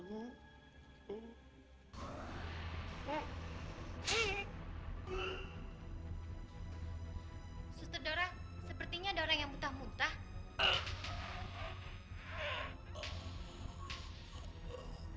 sutradara sepertinya ada orang yang muntah muntah